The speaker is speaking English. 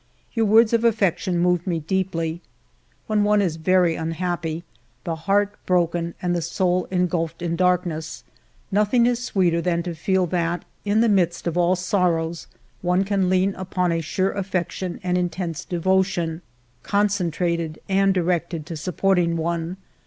Your words of affection moved me deeply. When one is very unhappy, the heart broken and the soul engulfed in darkness, nothing is sweeter than to feel that in the midst of all 202 FIVE YEARS OF MY LIFE sorrows one can lean upon a sure affection and intense devotion, concentrated and directed to supporting one.